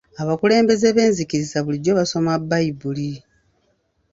Abakulembeze b'enzikiriza bulijjo basoma Bbayibuli.